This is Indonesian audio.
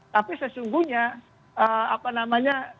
tapi sesungguhnya apa namanya